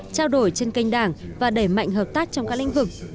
trao đổi trên kênh đảng và đẩy mạnh hợp tác trong các lĩnh vực